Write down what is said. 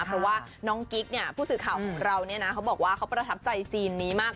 เพราะว่าน้องกิ๊กเนี่ยผู้สื่อข่าวของเราเนี่ยนะเขาบอกว่าเขาประทับใจซีนนี้มาก